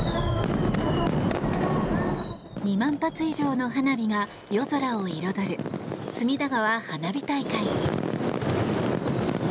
２万発以上の花火が夜空を彩る隅田川花火大会。